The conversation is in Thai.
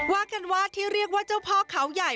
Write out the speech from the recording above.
ว่ากันว่าที่เรียกว่าเจ้าพ่อเขาใหญ่